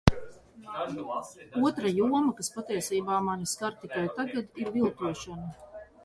Otra joma, kas patiesībā mani skar tikai tagad, ir viltošana.